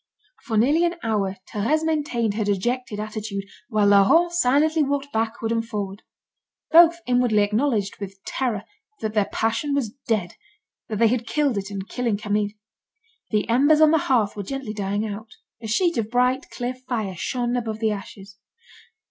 For nearly an hour Thérèse maintained her dejected attitude, while Laurent silently walked backward and forward. Both inwardly acknowledged, with terror, that their passion was dead, that they had killed it in killing Camille. The embers on the hearth were gently dying out; a sheet of bright, clear fire shone above the ashes.